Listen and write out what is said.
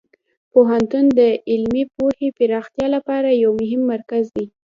پوهنتون د علمي پوهې پراختیا لپاره یو مهم مرکز دی.